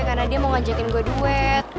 karena dia mau ngajakin gue duet